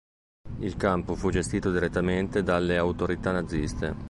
Il campo fu gestito direttamente dalle autorità naziste.